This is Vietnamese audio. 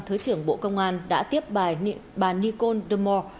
thứ trưởng bộ công an đã tiếp bài bà nicole demau